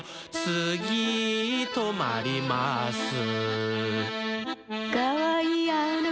「つぎとまります」